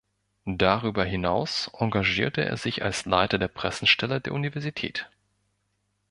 Darüber hinaus engagierte er sich als Leiter der Pressestelle der Universität.